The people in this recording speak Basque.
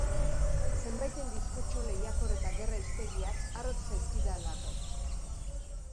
Zenbaiten diskurtso lehiakor eta gerra hiztegiak arrotz zaizkidalako.